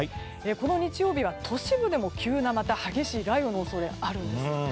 この日曜日は都市部でも、急な激しい雷雨の恐れがあるんです。